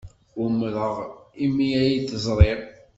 Umreɣ imi ay t-ẓriɣ.